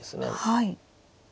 はい。